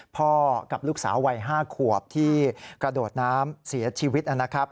กับลูกสาววัย๕ขวบที่กระโดดน้ำเสียชีวิตนะครับ